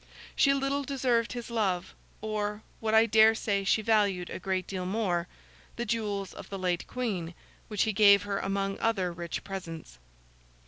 She little deserved his love, or—what I dare say she valued a great deal more—the jewels of the late Queen, which he gave her among other rich presents.